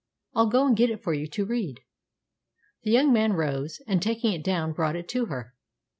I'll go and get it for you to read." The young man rose, and, taking it down, brought it to her.